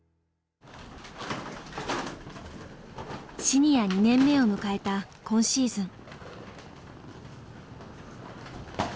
シニア２年目を迎えた今シーズン。